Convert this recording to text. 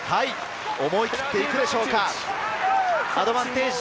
思い切っていくでしょうか。